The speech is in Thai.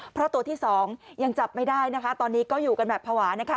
เพราะตัวที่สองยังจับไม่ได้นะคะตอนนี้ก็อยู่กันแบบภาวะนะคะ